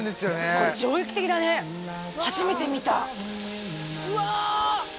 これ衝撃的だね初めて見たうわ！